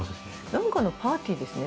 何かのパーティーですね